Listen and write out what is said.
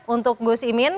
untuk gus imin